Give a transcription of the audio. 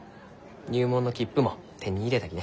入門の切符も手に入れたきね。